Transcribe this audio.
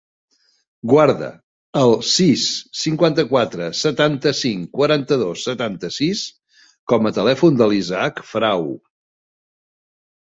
Guarda el sis, cinquanta-quatre, setanta-cinc, quaranta-dos, setanta-sis com a telèfon de l'Isaac Frau.